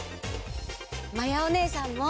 まやおねえさんも！